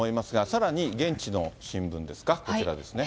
さらに現地の新聞ですか、こちらですね。